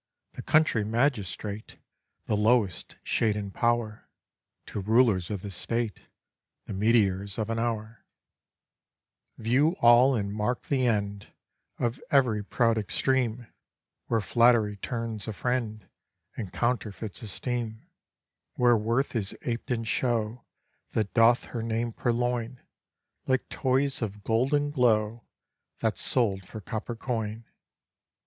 —The country magistrate, The lowest shade in power, To rulers of the state, The meteors of an hour:— View all, and mark the end Of every proud extreme, Where flattery turns a friend, And counterfeits esteem; Where worth is aped in show, That doth her name purloin, Like toys of golden glow That's sold for copper coin.